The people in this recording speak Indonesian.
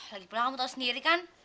lagipula kamu tau sendiri kan